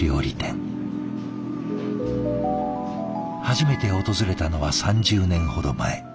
初めて訪れたのは３０年ほど前。